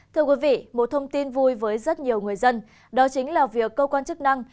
thưa quý vị một thông tin vui với rất nhiều người dân đó chính là việc cơ quan chức năng